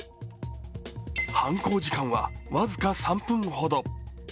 犯行時間は僅か３分ほど。